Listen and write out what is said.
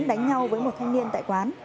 giang đã đánh nhau với một thanh niên tại quán